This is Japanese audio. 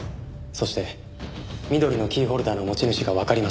そして緑のキーホルダーの持ち主がわかりました。